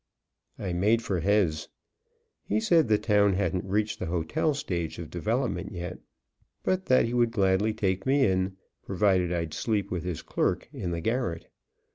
I made for Hez. He said the town hadn't reached the hotel stage of development yet, but that he would gladly take me in, provided I'd sleep with his clerk in the garret.